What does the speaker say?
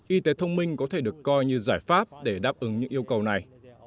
y tế thông minh có thể được coi như giải pháp để đáp ứng những yêu cầu này